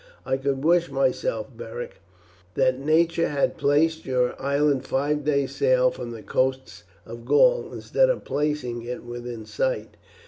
I could wish myself, Beric, that nature had placed your island five days' sail from the coasts of Gaul, instead of placing it within sight.